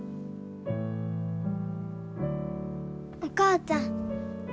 お母ちゃん。